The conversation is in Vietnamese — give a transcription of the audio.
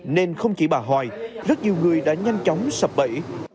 nên không chỉ bà hoài rất nhiều người đã nhanh chóng sập bẫy